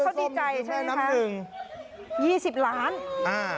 เขาดีใจใช่ไหมคะแม่น้ำหนึ่งยี่สิบล้านอ่า